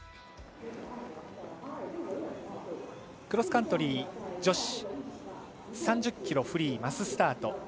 クロスカントリー女子３０ｋｍフリーマススタート。